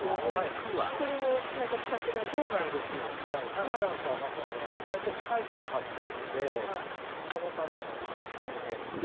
クワなんかはまさに毎年蚕を飼ってるんでそのための必要な植物です。